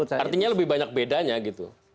artinya lebih banyak bedanya gitu